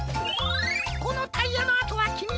このタイヤのあとはきみか？